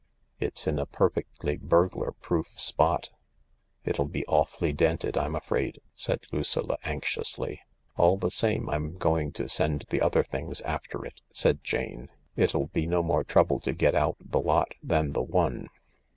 It's in a perfectly burglar proof spot." " It '11 be awfully dented, I'm afraid, "said Lucilla anxiously. " All the same, I'm going to send the other things after it," said Jane. " It'll be no more trouble to get out the lot than the one."